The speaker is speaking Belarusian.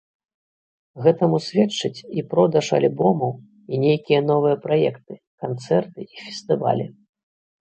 Гэтаму сведчаць і продаж альбомаў, і нейкія новыя праекты, канцэрты і фестывалі.